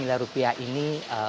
miliar rupiah ini